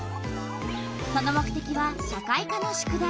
その目てきは社会科の宿題。